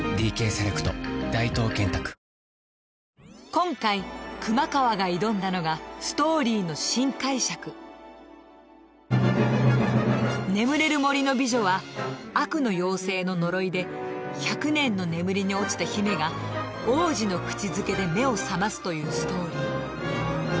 今回熊川が挑んだのが「眠れる森の美女」は悪の妖精の呪いで１００年の眠りに落ちた姫が王子の口づけで目を覚ますというストーリー